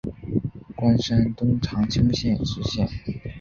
官山东长清县知县。